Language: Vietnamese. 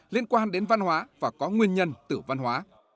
liên quan đến văn hóa và có nguyên nhân tử văn hóa